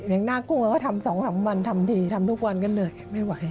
อย่างหน้ากุ้งเราก็ทำ๒๓วันทำดีทำทุกวันก็เหนื่อยไม่ไหว